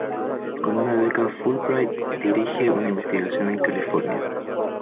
Con una beca Fulbright dirige una investigación en California.